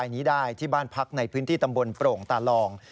ในพื้นที่ตำบลปรงตาลอง